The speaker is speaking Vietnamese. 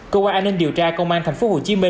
cơ quan an ninh điều tra công an tp hcm